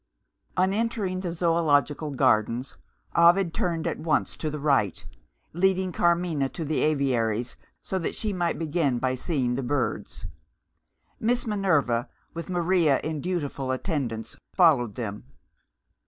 On entering the Zoological Gardens, Ovid turned at once to the right, leading Carmina to the aviaries, so that she might begin by seeing the birds. Miss Minerva, with Maria in dutiful attendance, followed them.